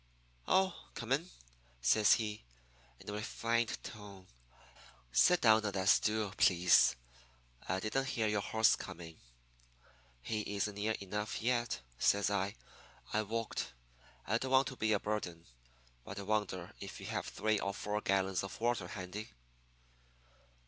"'Oh, come in,' says he, in a refined tone. 'Sit down on that stool, please. I didn't hear your horse coming.' "'He isn't near enough yet,' says I. 'I walked. I don't want to be a burden, but I wonder if you have three or four gallons of water handy.'